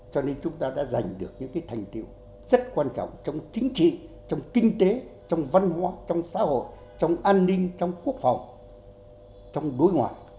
cho nên chúng ta đã giành được những thành tiệu rất quan trọng trong chính trị trong kinh tế trong văn hóa trong xã hội trong an ninh trong quốc phòng trong đối ngoại